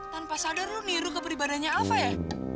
tanpa sadar lu niru kepribadiannya alva ya